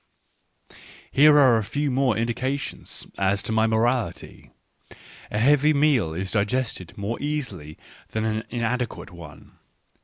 ... Here are a few more indications as to my morality. A heavy meal is digested more easily than an inadequate one.